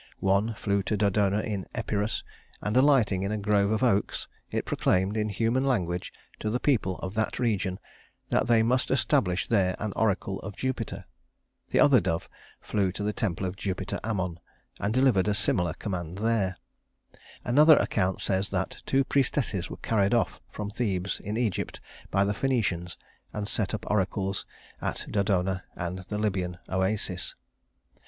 One flew to Dodona in Epirus; and alighting in a grove of oaks, it proclaimed, in human language, to the people of that region, that they must establish there an oracle of Jupiter. The other dove flew to the temple of Jupiter Ammon, and delivered a similar command there. Another account says that two priestesses were carried off from Thebes in Egypt by the Phœnicians, and set up oracles at Dodona and the Libyan Oasis.